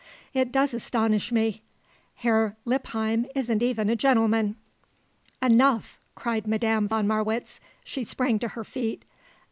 It does astonish me. Herr Lippheim isn't even a gentleman." "Enough!" cried Madame von Marwitz. She sprang to her feet.